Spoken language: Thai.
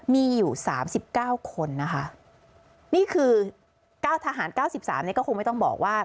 มีอยู่๓๙คนนะคะนี่คือทหาร๙๓ก็คงไม่ต้องบอกว่า